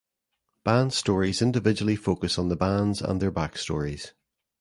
Band stories individually focus on the bands and their backstories.